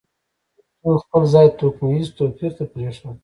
مریتوب خپل ځای توکمیز توپیر ته پرېښود.